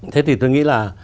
thế thì tôi nghĩ là